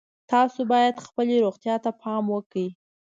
تاسو باید خپلې روغتیا ته پام وکړئ